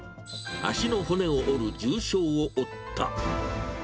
足の骨を折る重傷を負った。